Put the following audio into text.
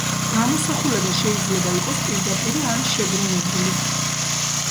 გამოსახულება შეიძლება იყოს პირდაპირი ან შებრუნებული.